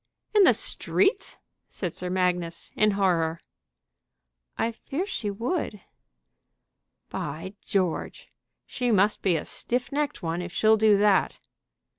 in the streets?" said Sir Magnus, in horror. "I fear she would." "By George! she must be a stiff necked one if she'll do that."